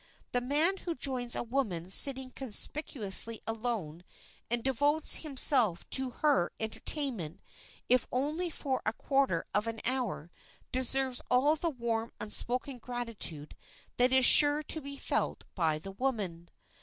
The man who joins a woman sitting conspicuously alone and devotes himself to her entertainment if for only a quarter of an hour deserves all the warm unspoken gratitude that is sure to be felt by the woman.